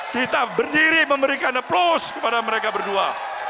kita berdiri memberikan aplaus kepada mereka berdua